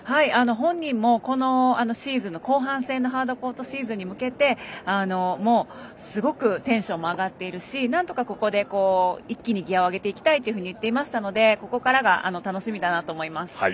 本人もシーズンの後半戦のハードコートシーズンに向けてすごくテンションも上がっているしなんとか、ここで一気にギヤを上げていきたいと言っていましたのでここからが楽しみだなと思います。